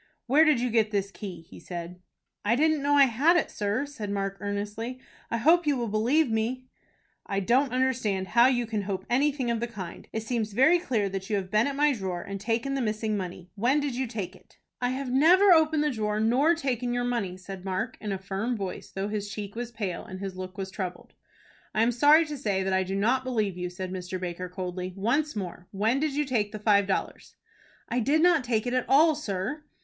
"Where did you get this key?" he said. "I didn't know I had it, sir," said Mark, earnestly. "I hope you will believe me." "I don't understand how you can hope anything of the kind. It seems very clear that you have been at my drawer, and taken the missing money. When did you take it?" "I have never opened the drawer, nor taken your money," said Mark, in a firm voice, though his cheek was pale, and his look was troubled. "I am sorry to say that I do not believe you," said Mr. Baker, coldly. "Once more, when did you take the five dollars?" "I did not take it at all, sir."